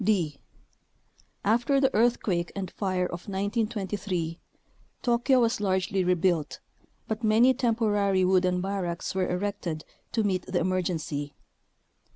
d. After the earthquake and fire of 1923, Tokyo was largely rebuilt, but many temporary wooden barracks were erected to meet the emergency.